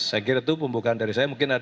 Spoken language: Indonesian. saya kira itu pembukaan dari saya